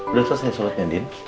udah selesai sholatnya din